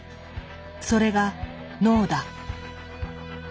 それが脳だ。